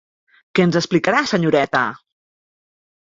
Què ens explicarà senyoreta?